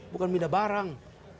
bukan pindah barang